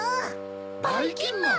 ばいきんまん！